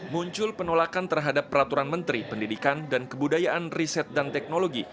muncul penolakan terhadap peraturan menteri pendidikan dan kebudayaan riset dan teknologi